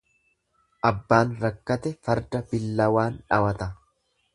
Abbaan rakkate farda billawaan dhawata.